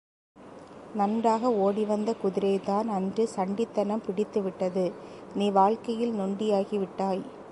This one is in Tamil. நன்றாக ஓடி வந்த குதிரைதான் அன்று சண்டித்தனம் பிடித்துவிட்டது நீ வாழ்க்கையில் நொண்டியாகிவிட்டாய்.